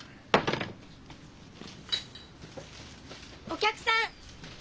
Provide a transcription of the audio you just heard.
お客さん！